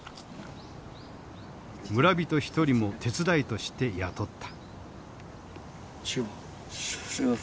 村人１人も手伝いとして雇った。